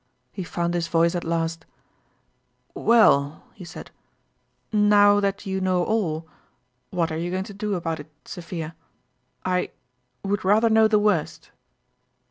He found his voice at last :" "Well," he said, " now that you know all, what are you going to do about it, Sophia ? I would rather know the worst